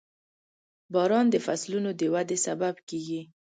• باران د فصلونو د ودې سبب کېږي.